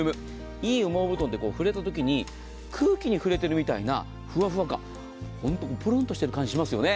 いい羽毛布団って触れたときに空気に触れたみたいなふわふわ感、ホント、プルンとしてる感じがしますよね。